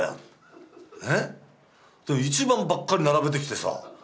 一番ばっかり並べてきてさ。